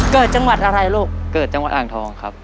เกิดจังหวัดอะไรลูกเกิดจังหวัดอ่างทองครับ